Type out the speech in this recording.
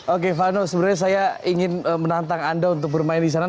oke vano sebenarnya saya ingin menantang anda untuk bermain di sana